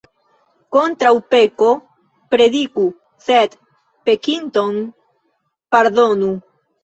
Kontraŭ peko prediku, sed pekinton pardonu.